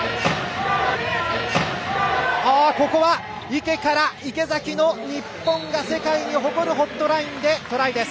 ここは池から池崎の日本が世界に誇るホットラインでトライです。